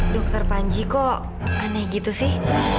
dokter panji kok aneh gitu sih